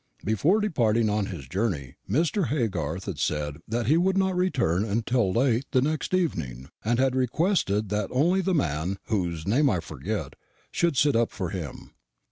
Before departing on his journey Mr. Haygarth had said that he would not return till late the next evening, and had requested that only the man (whose name I forget) should sit up for him."